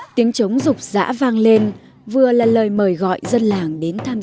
tiếng trống rục rã vang lên vừa là lời mời gọi dân làng đến tham gia